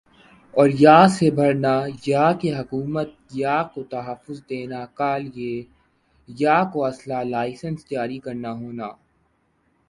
اور یِہ سے بڑھنا یِہ کہ حکومت یِہ کو تحفظ دینا کا لئے یِہ کو اسلحہ لائسنس جاری کرنا ہونا